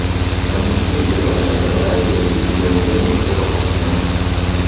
majingili wanataka baadhi ya vitu vya muhimu kutoka kwa wanyama